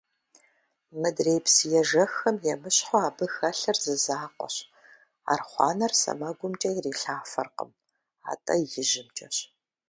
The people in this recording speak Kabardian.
Мыдрей псы ежэххэм емыщхьу абы хэлъыр зы закъуэщ – архъуанэр сэмэгумкӏэ ирилъафэркъым, атӏэ ижьымкӏэщ!